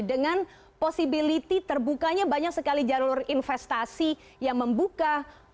dengan posibilitas terbukanya banyak sekali jalur investasi yang membuka